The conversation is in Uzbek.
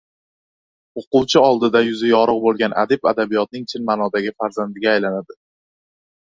o‘quvchi oldida yuzi yorug‘ bo‘lgan adib adabiyotning chin ma’nodagi farzandiga aylanadi.